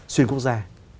xuyên quốc gia